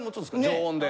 常温で。